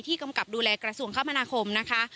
กำกับดูแลกระทรวงคมนาคมนะคะ